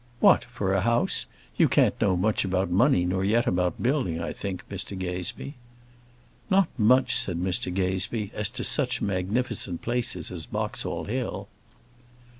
"What! for a house! You can't know much about money, nor yet about building, I think, Mr Gazebee." "Not much," said Mr Gazebee, "as to such magnificent places as Boxall Hill."